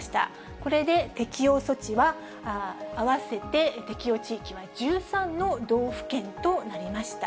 これで適用措置は、合わせて適用地域は１３の道府県となりました。